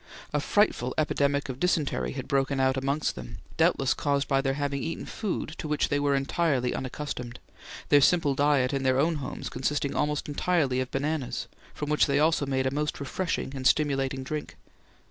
A frightful epidemic of dysentery had broken out amongst them, doubtless caused by their having eaten food to which they were entirely unaccustomed, their simple diet in their own homes consisting almost entirely of bananas, from which they also make a most refreshing and stimulating drink.